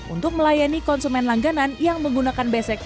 untuk melayani konsumen langganan yang menggunakan besek